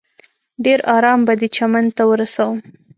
ډېر ارام به دې چمن ته ورسوم.